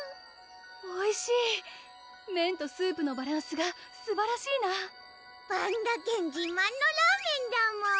おいしい麺とスープのバランスがすばらしいなぱんだ軒自慢のラーメンだもん！